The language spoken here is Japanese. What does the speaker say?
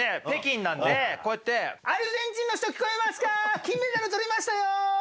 北京なんで、こうやって、アルゼンチンの人、聞こえますか、金メダルとりましたよ！